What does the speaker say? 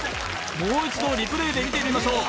もう一度リプレイで見てみましょう